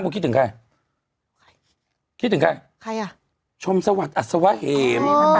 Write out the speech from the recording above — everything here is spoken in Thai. คิดถึงใครใครคิดถึงใครใครอ่ะชมสวัสดิอัศวะเหม